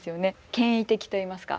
権威的といいますか。